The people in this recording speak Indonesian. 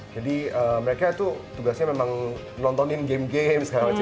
jadi mereka tuh tugasnya memang nontonin game game segala macam